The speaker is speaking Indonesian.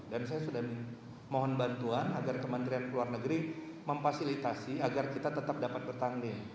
dan saya sudah mohon bantuan agar kementerian luar negeri memfasilitasi agar kita tetap dapat bertanding